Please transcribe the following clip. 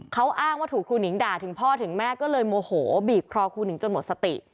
เขาอ้างว่าถูกครูหนิงด่าถึงพ่อถึงแม่ก็เลยโมโหบีบคอครูหนิงจนหมดสติ